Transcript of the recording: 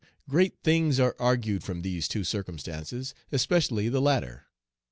Great things are augured from these two circumstances, especially the latter.